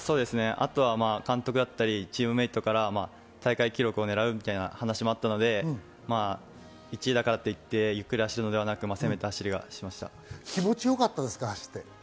あとは監督だったり、チームメートから大会記録を狙うみたいな話もあったので、１位だからといって、ゆっくり走るのではなくて、攻めた走りをし気持ちよかったですか？